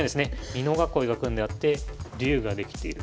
美濃囲いが組んであって竜ができている。